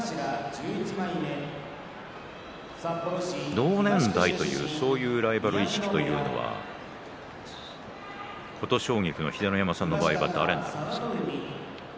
同年代というそういうライバル意識というのは琴奨菊の場合、秀ノ山さん、誰ですか。